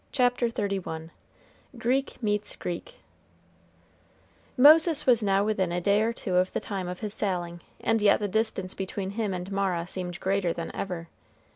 CHAPTER XXXI GREEK MEETS GREEK Moses was now within a day or two of the time of his sailing, and yet the distance between him and Mara seemed greater than ever.